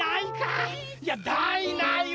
あいや「だいない」